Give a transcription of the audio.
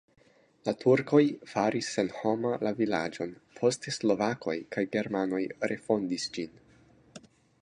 La turkoj faris senhoma la vilaĝon, poste slovakoj kaj germanoj refondis ĝin.